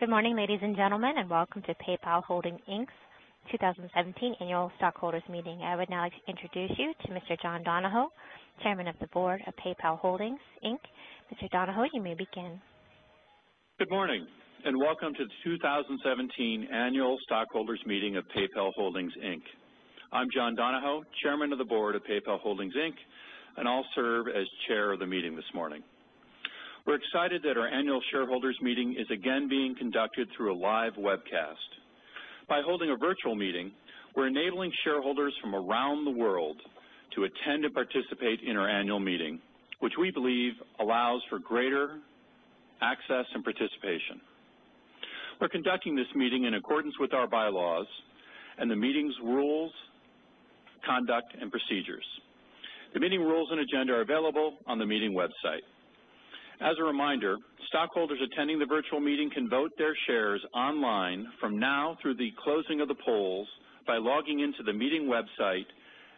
Good morning, ladies and gentlemen, and welcome to PayPal Holdings, Inc.'s 2017 Annual Stockholders Meeting. I would now like to introduce you to Mr. John Donahoe, Chairman of the Board of PayPal Holdings, Inc. Mr. Donahoe, you may begin. Good morning, welcome to the 2017 Annual Stockholders Meeting of PayPal Holdings, Inc. I'm John Donahoe, Chairman of the Board of PayPal Holdings, Inc., and I'll serve as Chair of the meeting this morning. We're excited that our annual shareholders meeting is again being conducted through a live webcast. By holding a virtual meeting, we're enabling shareholders from around the world to attend and participate in our annual meeting, which we believe allows for greater access and participation. We're conducting this meeting in accordance with our bylaws and the meeting's rules, conduct, and procedures. The meeting rules and agenda are available on the meeting website. As a reminder, stockholders attending the virtual meeting can vote their shares online from now through the closing of the polls by logging into the meeting website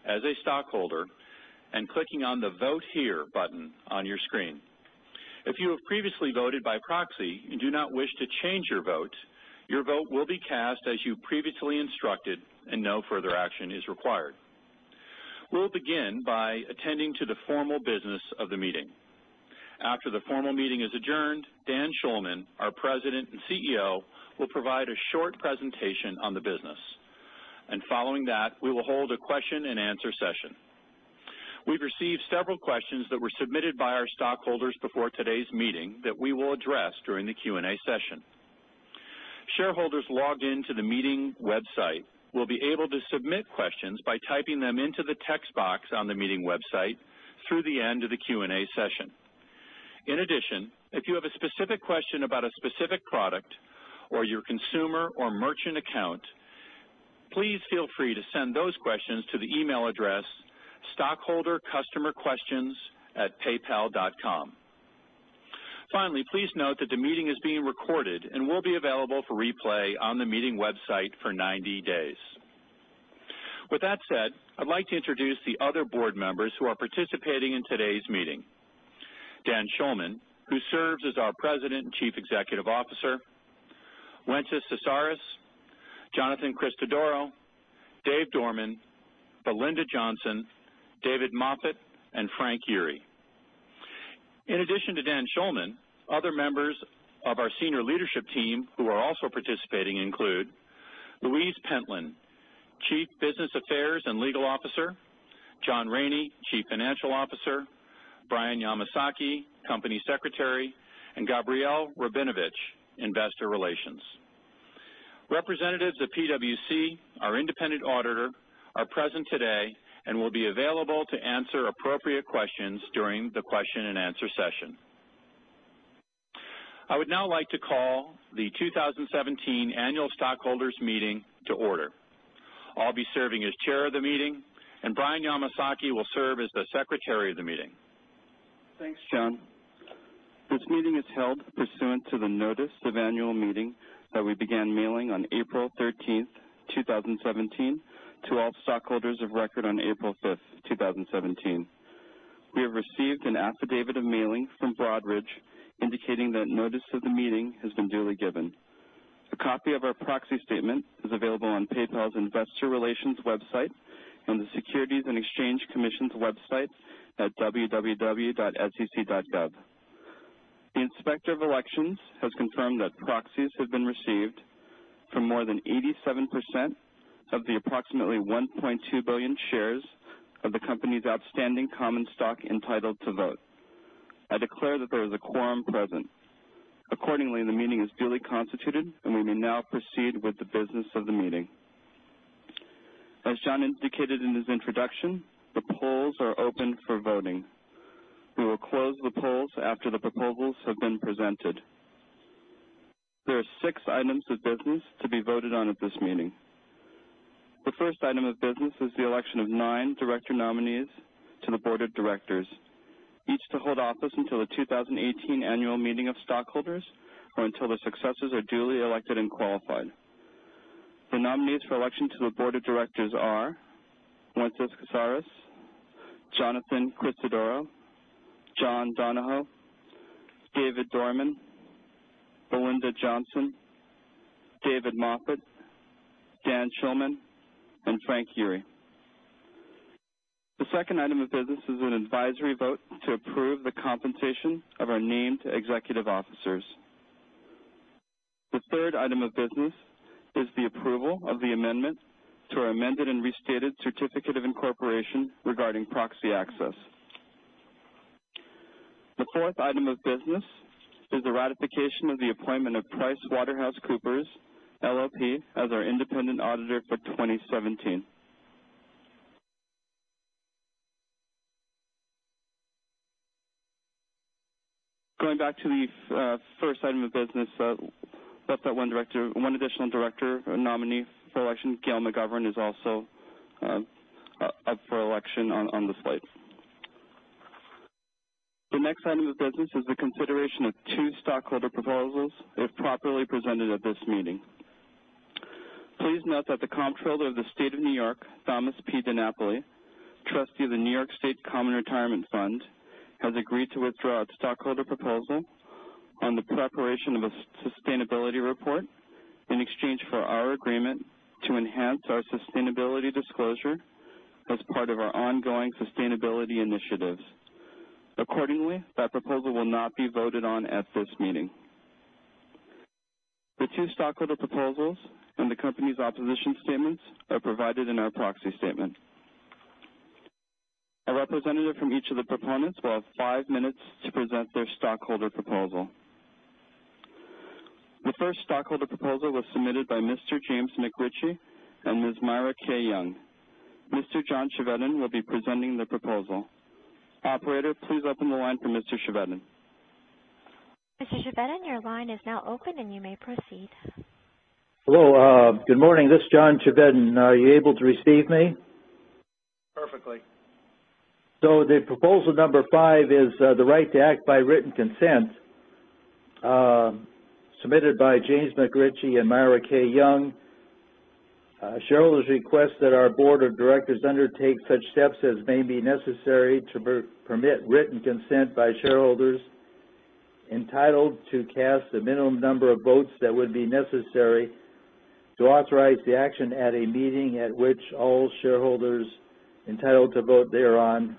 as a stockholder and clicking on the Vote Here button on your screen. If you have previously voted by proxy and do not wish to change your vote, your vote will be cast as you previously instructed, and no further action is required. We will begin by attending to the formal business of the meeting. After the formal meeting is adjourned, Dan Schulman, our President and CEO, will provide a short presentation on the business. Following that, we will hold a question and answer session. We've received several questions that were submitted by our stockholders before today's meeting that we will address during the Q&A session. Shareholders logged into the meeting website will be able to submit questions by typing them into the text box on the meeting website through the end of the Q&A session. In addition, if you have a specific question about a specific product or your consumer or merchant account, please feel free to send those questions to the email address, stockholdercustomerquestions@paypal.com. Finally, please note that the meeting is being recorded and will be available for replay on the meeting website for 90 days. With that said, I'd like to introduce the other board members who are participating in today's meeting. Dan Schulman, who serves as our President and Chief Executive Officer, Wences Casares, Jonathan Christodoro, Dave Dorman, Belinda Johnson, David Moffett, and Frank Yeary. In addition to Dan Schulman, other members of our senior leadership team who are also participating include Louise Pentland, Chief Business Affairs and Legal Officer, John Rainey, Chief Financial Officer, Brian Yamasaki, Company Secretary, and Gabrielle Rabinovitch, Investor Relations. Representatives of PwC, our independent auditor, are present today and will be available to answer appropriate questions during the question and answer session. I would now like to call the 2017 Annual Stockholders Meeting to order. I'll be serving as Chair of the meeting, and Brian Yamasaki will serve as the Secretary of the meeting. Thanks, John. This meeting is held pursuant to the notice of annual meeting that we began mailing on April 13th, 2017, to all stockholders of record on April 5th, 2017. We have received an affidavit of mailing from Broadridge indicating that notice of the meeting has been duly given. A copy of our proxy statement is available on PayPal's Investor Relations website and the Securities and Exchange Commission's website at www.sec.gov. The Inspector of Elections has confirmed that proxies have been received from more than 87% of the approximately 1.2 billion shares of the company's outstanding common stock entitled to vote. I declare that there is a quorum present. Accordingly, the meeting is duly constituted, and we may now proceed with the business of the meeting. As John indicated in his introduction, the polls are open for voting. We will close the polls after the proposals have been presented. There are six items of business to be voted on at this meeting. The first item of business is the election of nine director nominees to the board of directors, each to hold office until the 2018 annual meeting of stockholders or until their successors are duly elected and qualified. The nominees for election to the board of directors are Wences Casares, Jonathan Christodoro, John Donahoe, David Dorman, Belinda Johnson, David Moffett, Dan Schulman, and Frank Yeary. The second item of business is an advisory vote to approve the compensation of our named executive officers. The third item of business is the approval of the amendment to our amended and restated certificate of incorporation regarding proxy access. The fourth item of business is the ratification of the appointment of PricewaterhouseCoopers LLP as our independent auditor for 2017. Going back to the first item of business, one additional director nominee for election, Gail McGovern, is also up for election on the slate. The next item of business is the consideration of two stockholder proposals, if properly presented at this meeting. Please note that the Comptroller of the State of New York, Thomas P. DiNapoli, Trustee of the New York State Common Retirement Fund, has agreed to withdraw its stockholder proposal on the preparation of a sustainability report in exchange for our agreement to enhance our sustainability disclosure as part of our ongoing sustainability initiatives. Accordingly, that proposal will not be voted on at this meeting. The two stockholder proposals and the company's opposition statements are provided in our proxy statement. A representative from each of the proponents will have five minutes to present their stockholder proposal. The first stockholder proposal was submitted by Mr. James McRitchie and Ms. Myra K. Young. Mr. John Chevedden will be presenting the proposal. Operator, please open the line for Mr. Chevedden. Mr. Chevedden, your line is now open and you may proceed. Hello. Good morning. This is John Chevedden. Are you able to receive me? Perfectly. The proposal number five is the right to act by written consent, submitted by James McRitchie and Myra K. Young. Shareholders request that our board of directors undertake such steps as may be necessary to permit written consent by shareholders entitled to cast the minimum number of votes that would be necessary to authorize the action at a meeting at which all shareholders entitled to vote thereon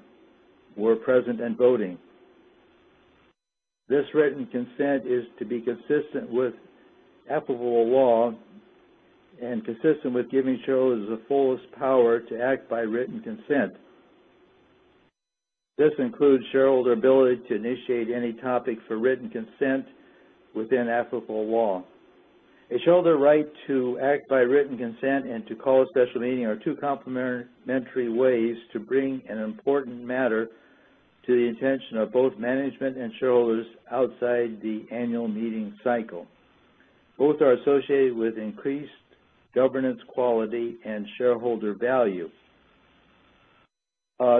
were present and voting. This written consent is to be consistent with applicable law and consistent with giving shareholders the fullest power to act by written consent. This includes shareholder ability to initiate any topic for written consent within applicable law. A shareholder right to act by written consent and to call a special meeting are two complementary ways to bring an important matter to the attention of both management and shareholders outside the annual meeting cycle. Both are associated with increased governance quality and shareholder value.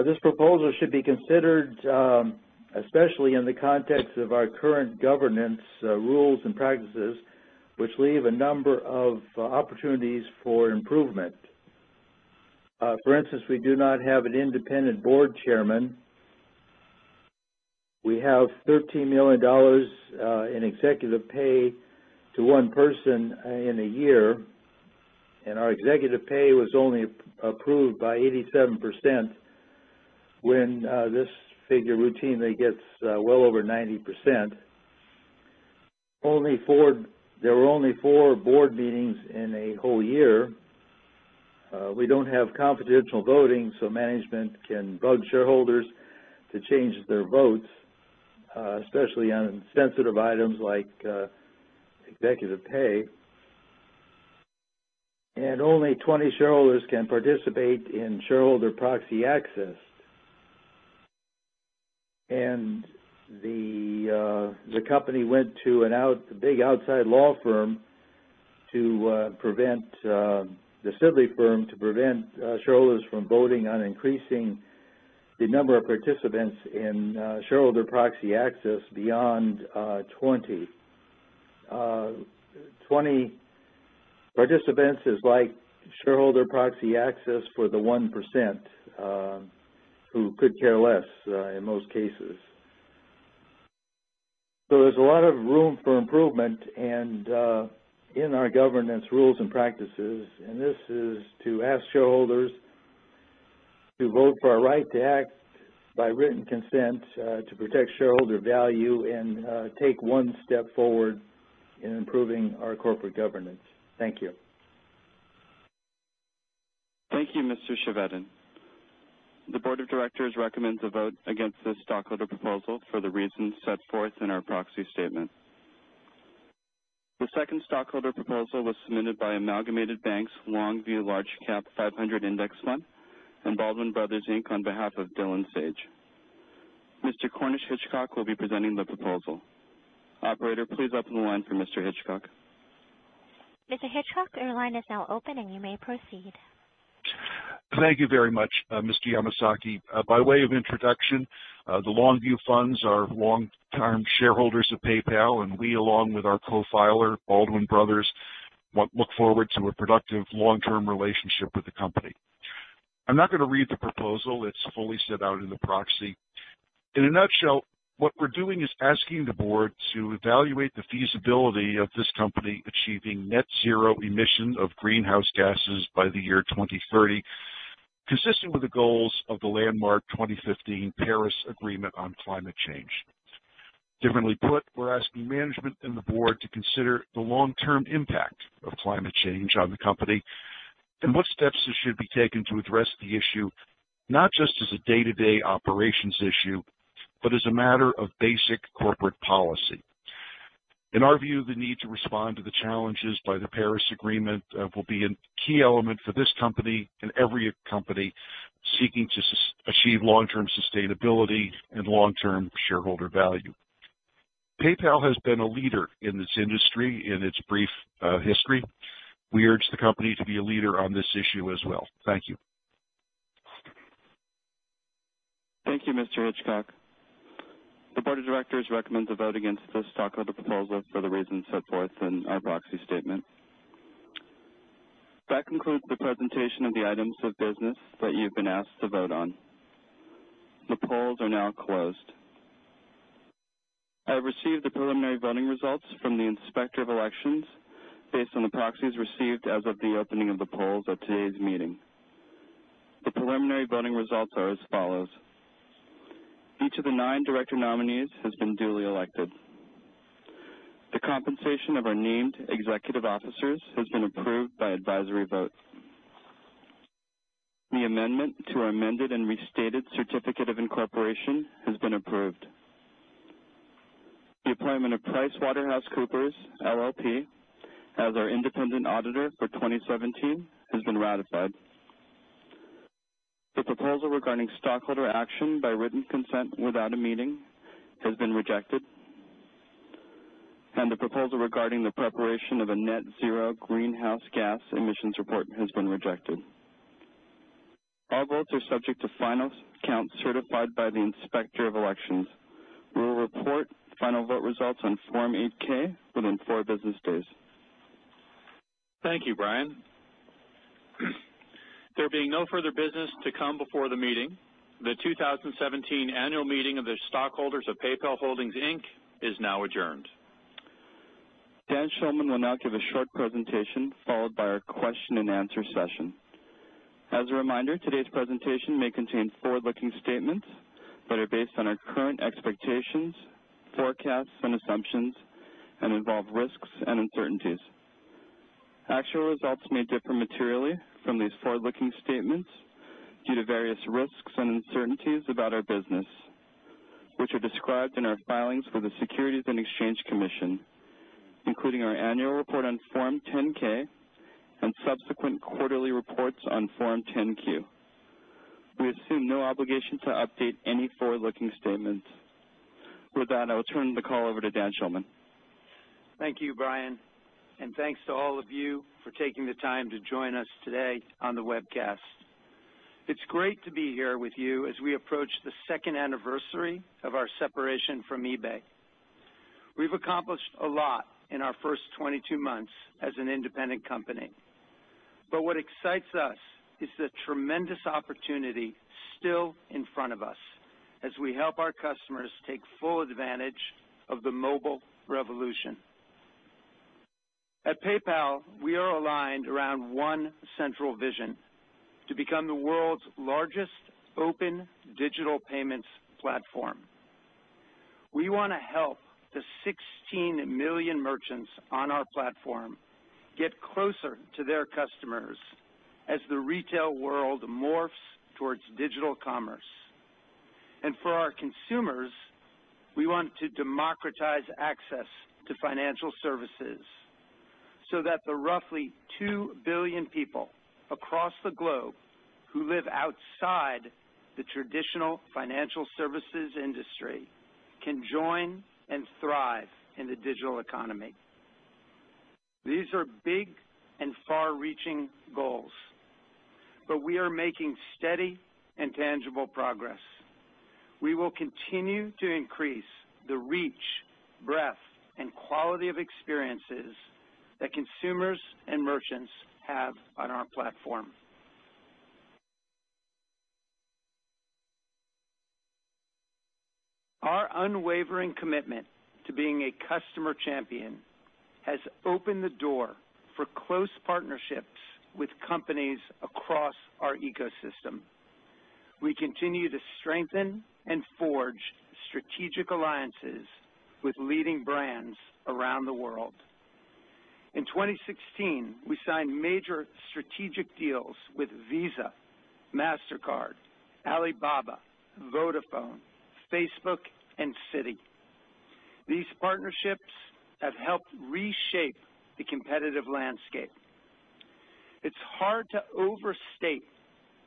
This proposal should be considered, especially in the context of our current governance rules and practices, which leave a number of opportunities for improvement. For instance, we do not have an independent board chairman. We have $13 million in executive pay to one person in a year, and our executive pay was only approved by 87% when this figure routinely gets well over 90%. There were only four board meetings in a whole year. We don't have confidential voting, so management can bug shareholders to change their votes, especially on sensitive items like executive pay. Only 20 shareholders can participate in shareholder proxy access. The company went to a big outside law firm, the Sidley firm, to prevent shareholders from voting on increasing the number of participants in shareholder proxy access beyond 20. 20 participants is like shareholder proxy access for the 1%, who could care less in most cases. There's a lot of room for improvement in our governance rules and practices, and this is to ask shareholders to vote for our right to act by written consent to protect shareholder value and take one step forward in improving our corporate governance. Thank you. Thank you, Mr. Chevedden. The board of directors recommends a vote against this stockholder proposal for the reasons set forth in our proxy statement. The second stockholder proposal was submitted by Amalgamated Bank LongView Large Cap 500 Index Fund and Baldwin Brothers, Inc., on behalf of Dylan Sage. Mr. Cornish Hitchcock will be presenting the proposal. Operator, please open the line for Mr. Hitchcock. Mr. Hitchcock, your line is now open and you may proceed. Thank you very much, Mr. Yamasaki. By way of introduction, the LongView Funds are long-term shareholders of PayPal, and we, along with our co-filer, Baldwin Brothers, look forward to a productive long-term relationship with the company. I'm not going to read the proposal. It's fully set out in the proxy. In a nutshell, what we're doing is asking the board to evaluate the feasibility of this company achieving net zero emission of greenhouse gases by the year 2030, consistent with the goals of the landmark 2015 Paris Agreement on Climate Change. Differently put, we're asking management and the board to consider the long-term impact of climate change on the company and what steps should be taken to address the issue, not just as a day-to-day operations issue, but as a matter of basic corporate policy. In our view, the need to respond to the challenges by the Paris Agreement will be a key element for this company and every company seeking to achieve long-term sustainability and long-term shareholder value. PayPal has been a leader in this industry in its brief history. We urge the company to be a leader on this issue as well. Thank you. Thank you, Mr. Hitchcock. The board of directors recommends a vote against the stockholder proposal for the reasons set forth in our proxy statement. That concludes the presentation of the items of business that you've been asked to vote on. The polls are now closed. I have received the preliminary voting results from the Inspector of Elections based on the proxies received as of the opening of the polls at today's meeting. The preliminary voting results are as follows. Each of the nine director nominees has been duly elected. The compensation of our named executive officers has been approved by advisory vote. The amendment to our amended and restated certificate of incorporation has been approved. The appointment of PricewaterhouseCoopers LLP, as our independent auditor for 2017 has been ratified. The proposal regarding stockholder action by written consent without a meeting has been rejected. The proposal regarding the preparation of a net zero greenhouse gas emissions report has been rejected. All votes are subject to final count certified by the Inspector of Elections. We will report final vote results on Form 8-K within four business days. Thank you, Brian. There being no further business to come before the meeting, the 2017 annual meeting of the stockholders of PayPal Holdings, Inc. is now adjourned. Dan Schulman will now give a short presentation, followed by our question and answer session. As a reminder, today's presentation may contain forward-looking statements that are based on our current expectations, forecasts, and assumptions, and involve risks and uncertainties. Actual results may differ materially from these forward-looking statements due to various risks and uncertainties about our business, which are described in our filings with the Securities and Exchange Commission, including our annual report on Form 10-K and subsequent quarterly reports on Form 10-Q. We assume no obligation to update any forward-looking statements. With that, I will turn the call over to Dan Schulman. Thank you, Brian, and thanks to all of you for taking the time to join us today on the webcast. It's great to be here with you as we approach the second anniversary of our separation from eBay. We've accomplished a lot in our first 22 months as an independent company. What excites us is the tremendous opportunity still in front of us as we help our customers take full advantage of the mobile revolution. At PayPal, we are aligned around one central vision: to become the world's largest open digital payments platform. We want to help the 16 million merchants on our platform get closer to their customers as the retail world morphs towards digital commerce. For our consumers, we want to democratize access to financial services so that the roughly 2 billion people across the globe who live outside the traditional financial services industry can join and thrive in the digital economy. These are big and far-reaching goals, but we are making steady and tangible progress. We will continue to increase the reach, breadth, and quality of experiences that consumers and merchants have on our platform. Our unwavering commitment to being a customer champion has opened the door for close partnerships with companies across our ecosystem. We continue to strengthen and forge strategic alliances with leading brands around the world. In 2016, we signed major strategic deals with Visa, Mastercard, Alibaba, Vodafone, Facebook, and Citi. These partnerships have helped reshape the competitive landscape. It's hard to overstate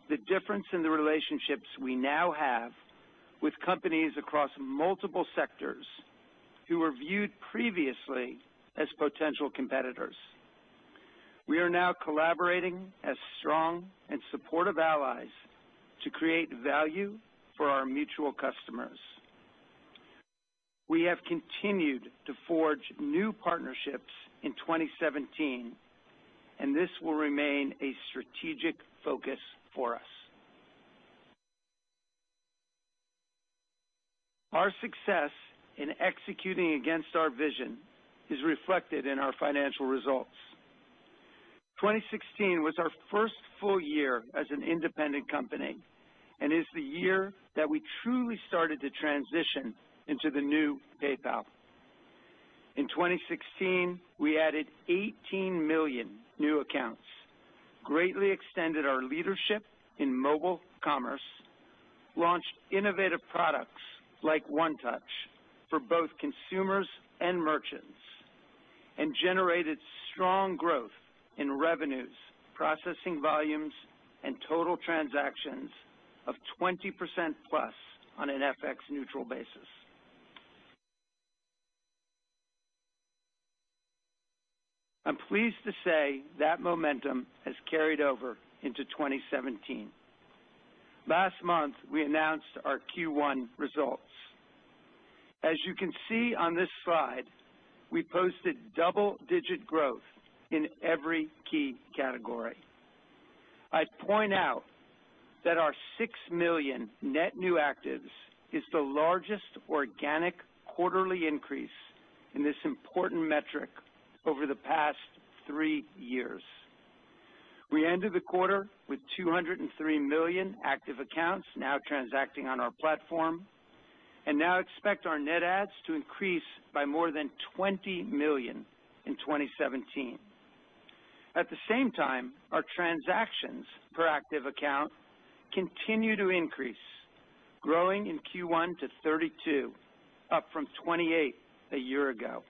the difference in the relationships we now have with companies across multiple sectors who were viewed previously as potential competitors. We are now collaborating as strong and supportive allies to create value for our mutual customers. We have continued to forge new partnerships in 2017, and this will remain a strategic focus for us. Our success in executing against our vision is reflected in our financial results. 2016 was our first full year as an independent company and is the year that we truly started to transition into the new PayPal. In 2016, we added 18 million new accounts, greatly extended our leadership in mobile commerce, launched innovative products like One Touch for both consumers and merchants, and generated strong growth in revenues, processing volumes, and total transactions of 20% plus on an FX-neutral basis. I'm pleased to say that momentum has carried over into 2017. Last month, we announced our Q1 results. As you can see on this slide, we posted double-digit growth in every key category. I'd point out that our 6 million net new actives is the largest organic quarterly increase in this important metric over the past three years. We ended the quarter with 203 million active accounts now transacting on our platform, and now expect our net adds to increase by more than 20 million in 2017. At the same time, our transactions per active account continue to increase, growing in Q1 to 32, up from 28 a year ago.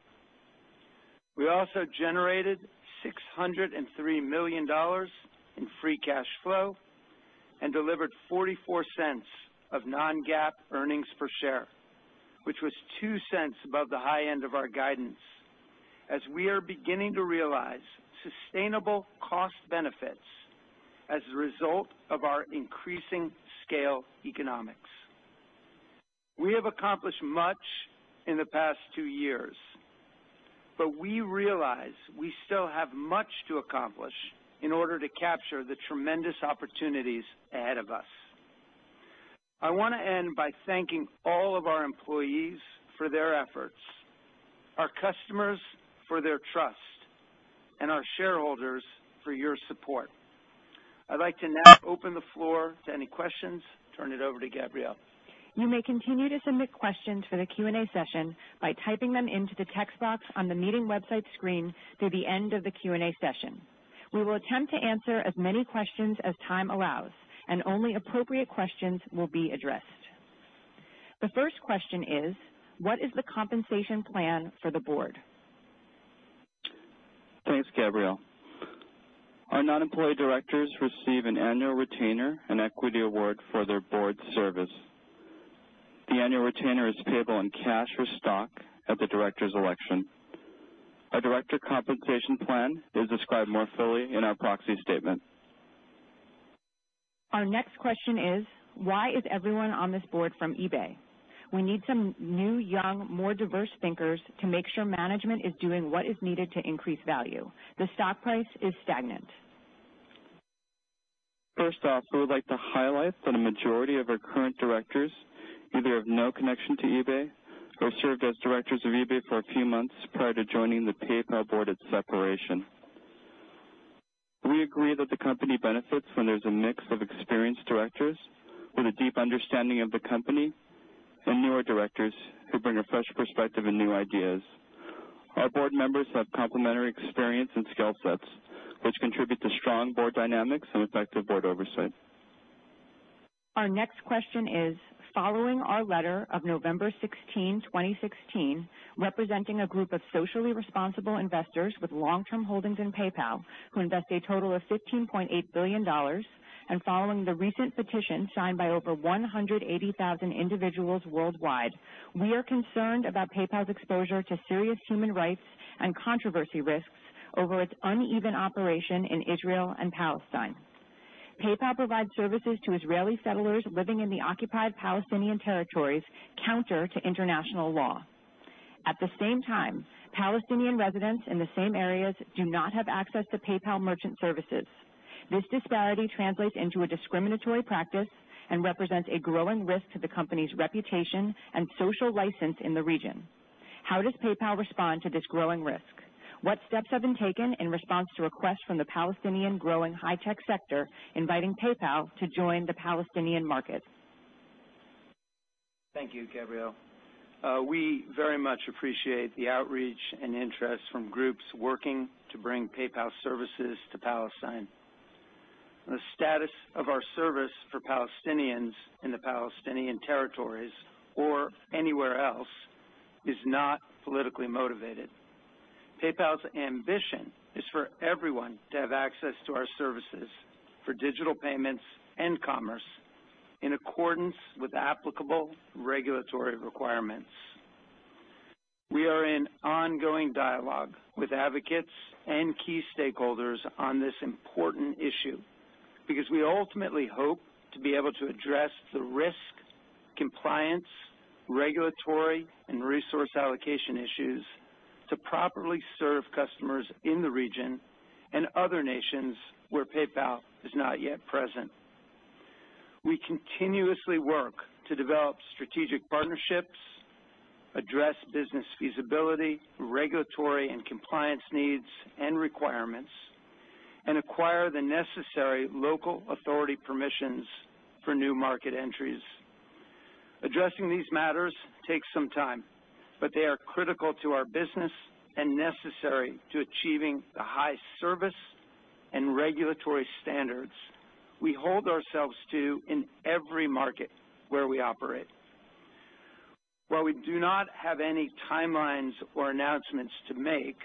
We also generated $603 million in free cash flow and delivered $0.44 of non-GAAP earnings per share, which was $0.02 above the high end of our guidance, as we are beginning to realize sustainable cost benefits as a result of our increasing scale economics. We have accomplished much in the past two years, we realize we still have much to accomplish in order to capture the tremendous opportunities ahead of us. I want to end by thanking all of our employees for their efforts, our customers for their trust, and our shareholders for your support. I'd like to now open the floor to any questions. Turn it over to Gabrielle. You may continue to submit questions for the Q&A session by typing them into the text box on the meeting website screen through the end of the Q&A session. We will attempt to answer as many questions as time allows, and only appropriate questions will be addressed. The first question is, what is the compensation plan for the board? Thanks, Gabrielle. Our non-employee directors receive an annual retainer and equity award for their board service. The annual retainer is payable in cash or stock at the director's election. Our director compensation plan is described more fully in our proxy statement. Our next question is, why is everyone on this board from eBay? We need some new, young, more diverse thinkers to make sure management is doing what is needed to increase value. The stock price is stagnant. First off, we would like to highlight that a majority of our current directors either have no connection to eBay or served as directors of eBay for a few months prior to joining the PayPal board at separation. We agree that the company benefits when there's a mix of experienced directors with a deep understanding of the company and newer directors who bring a fresh perspective and new ideas. Our board members have complementary experience and skill sets, which contribute to strong board dynamics and effective board oversight. Our next question is, following our letter of November 16, 2016, representing a group of socially responsible investors with long-term holdings in PayPal, who invest a total of $15.8 billion, and following the recent petition signed by over 180,000 individuals worldwide, we are concerned about PayPal's exposure to serious human rights and controversy risks over its uneven operation in Israel and Palestine. PayPal provides services to Israeli settlers living in the occupied Palestinian territories, counter to international law. At the same time, Palestinian residents in the same areas do not have access to PayPal merchant services. This disparity translates into a discriminatory practice and represents a growing risk to the company's reputation and social license in the region. How does PayPal respond to this growing risk? What steps have been taken in response to requests from the Palestinian growing high-tech sector, inviting PayPal to join the Palestinian market? Thank you, Gabrielle. We very much appreciate the outreach and interest from groups working to bring PayPal services to Palestine. The status of our service for Palestinians in the Palestinian territories or anywhere else is not politically motivated. PayPal's ambition is for everyone to have access to our services for digital payments and commerce in accordance with applicable regulatory requirements. We are in ongoing dialogue with advocates and key stakeholders on this important issue because we ultimately hope to be able to address the risk, compliance, regulatory, and resource allocation issues to properly serve customers in the region and other nations where PayPal is not yet present. We continuously work to develop strategic partnerships, address business feasibility, regulatory, and compliance needs and requirements, and acquire the necessary local authority permissions for new market entries. Addressing these matters takes some time, but they are critical to our business and necessary to achieving the high service and regulatory standards we hold ourselves to in every market where we operate. While we do not have any timelines or announcements to make,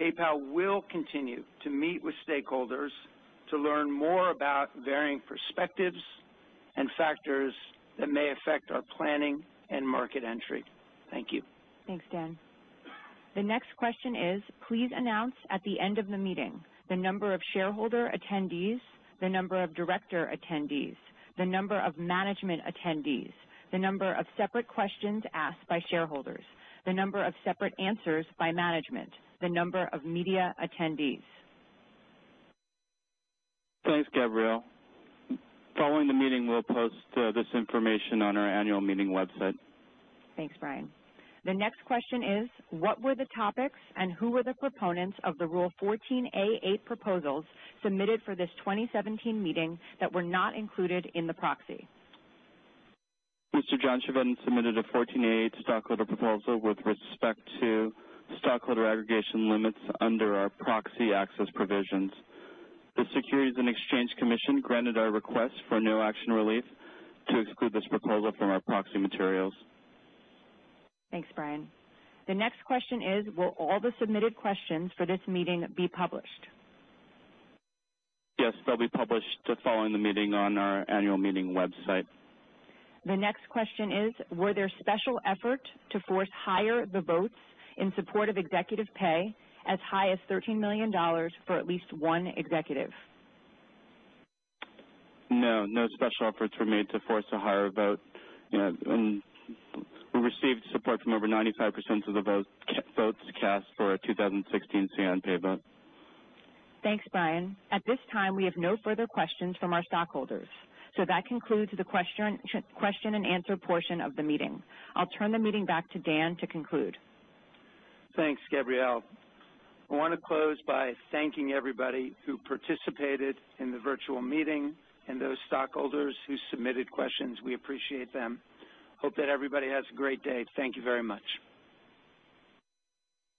PayPal will continue to meet with stakeholders to learn more about varying perspectives and factors that may affect our planning and market entry. Thank you. Thanks, Dan. The next question is, please announce at the end of the meeting the number of shareholder attendees, the number of director attendees, the number of management attendees, the number of separate questions asked by shareholders, the number of separate answers by management, the number of media attendees. Thanks, Gabrielle. Following the meeting, we'll post this information on our annual meeting website. Thanks, Brian. The next question is, what were the topics and who were the proponents of the Rule 14a-8 proposals submitted for this 2017 meeting that were not included in the proxy? Mr. John Chevedden submitted a 14a-8 stockholder proposal with respect to stockholder aggregation limits under our proxy access provisions. The Securities and Exchange Commission granted our request for no action relief to exclude this proposal from our proxy materials. Thanks, Brian. The next question is, will all the submitted questions for this meeting be published? Yes, they'll be published following the meeting on our annual meeting website. The next question is, were there special effort to force higher the votes in support of executive pay as high as $13 million for at least one executive? No. No special efforts were made to force a higher vote. We received support from over 95% of the votes cast for our 2016 say on pay vote. Thanks, Brian. At this time, we have no further questions from our stockholders. That concludes the question and answer portion of the meeting. I'll turn the meeting back to Dan to conclude. Thanks, Gabrielle. I want to close by thanking everybody who participated in the virtual meeting and those stockholders who submitted questions. We appreciate them. Hope that everybody has a great day. Thank you very much.